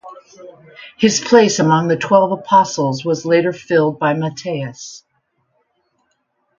His place among the Twelve Apostles was later filled by Matthias.